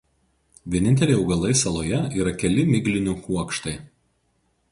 Vieninteliai augalai saloje yra keli miglinių kuokštai.